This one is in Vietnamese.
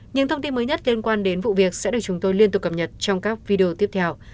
những thông tin mới nhất liên quan đến vụ việc sẽ được chúng tôi liên tục cập nhật trong các video tiếp theo